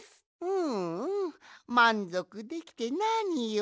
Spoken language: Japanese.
うんうんまんぞくできてなにより。